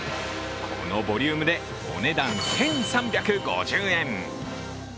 このボリュームでお値段１３５０円。